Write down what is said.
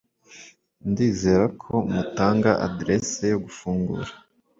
ndizera ko mutanga adresse yo gufungura